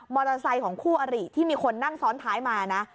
มอเตอร์ไซค์ของคู่อารีที่มีคนนั่งซ้อนท้ายมานะ